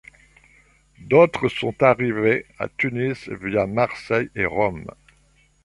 D'autres sont arrivés à Tunis via Marseille et Rome.